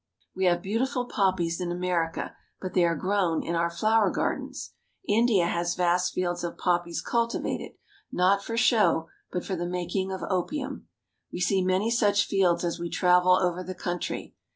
We have beautiful poppies in America, but they are grown in our flower gardens. India has vast fields of AMONG THE INDIAN FARMERS 267 poppies cultivated, not for show but for the making of opium. We see many such fields as we travel over the country.